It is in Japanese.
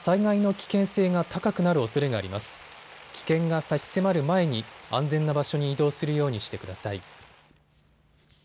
危険が差し迫る前に安全な場所に移動するようにしてください。